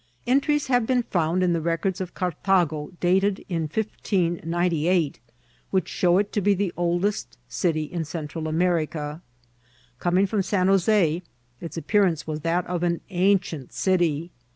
Entries have been found in the records of Cartago dated in 1598, which show it to be the oldest city in Central America. Coming from San Jos6, its appear ance was that of an ancient city.